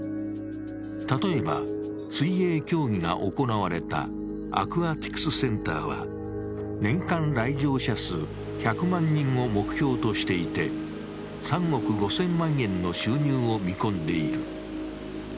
例えば、水泳競技が行われたアクアティクスセンターは年間来場者数１００万人を目標としていて、３億５０００万円の収入を見込んでいる。